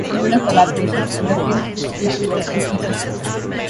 Similar collaborations underpinned his future work in feature films.